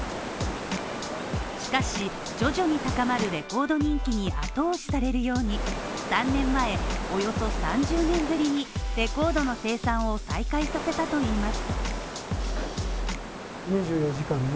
しかし、徐々に高まるレコード人気に後押しされるように、３年前、およそ３０年ぶりにレコードの生産を再開させたといいます。